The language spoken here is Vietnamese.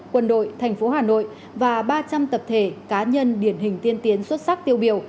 quân đội thành phố hà nội và ba trăm linh tập thể cá nhân điển hình tiên tiến xuất sắc tiêu biểu